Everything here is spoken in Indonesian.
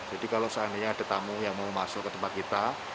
jadi kalau seandainya ada tamu yang mau masuk ke tempat kita